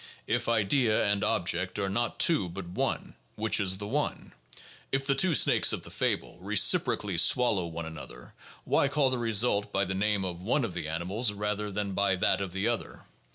If "idea" and "object" are not two but one, which is the one? If the two snakes of the fable reciprocally swallow one another, why call the result by the name of one of the animals rather than by that of the other?